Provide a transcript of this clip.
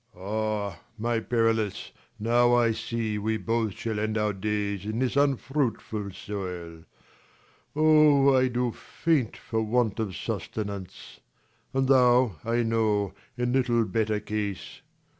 Lelr. Ah, my Perillus, now I see we both 20 Shall end our days in this unfruitful soil, Oh, I do faint for want of sustenance : And thou, I know, in little better case.